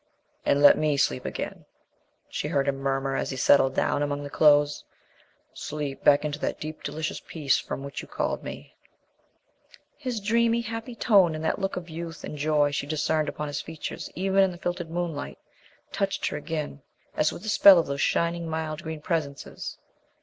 "And let me sleep again," she heard him murmur as he settled down among the clothes, "sleep back into that deep, delicious peace from which you called me." His dreamy, happy tone, and that look of youth and joy she discerned upon his features even in the filtered moonlight, touched her again as with the spell of those shining, mild green presences.